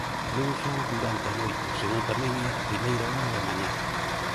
Non só durante a noite, senón tamén a primeira hora da mañá.